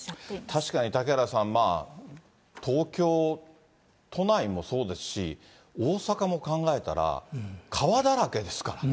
確かに、嵩原さん、東京都内もそうですし、大阪も考えたら、川だらけですからね。